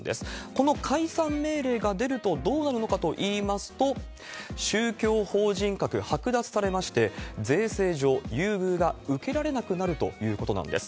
この解散命令が出るとどうなるのかといいますと、宗教法人格剥奪されまして、税制上優遇が受けられなくなるということなんです。